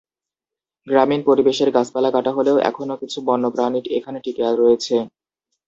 গ্রামীণ পরিবেশের গাছপালা কাটা হলেও এখনো কিছু বন্যপ্রাণী এখানে টিকে রয়েছে।